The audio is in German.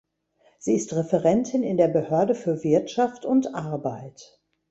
Sie ist Referentin in der Behörde für Wirtschaft und Arbeit.